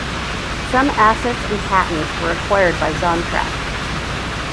Some assets and patents were acquired by ZonTrak.